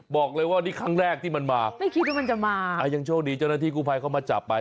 บอกเลยว่านี่ครั้งแรกที่มันมาไม่คิดว่ามันจะมายังโชคดีเจ้าหน้าที่กู้ภัยเข้ามาจับไป